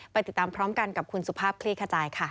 ติดตามพร้อมกันกับคุณสุภาพคลี่ขจายค่ะ